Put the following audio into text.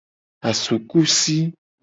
Asukusi.